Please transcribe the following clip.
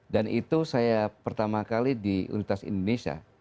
dan itu saya pertama kali di universitas indonesia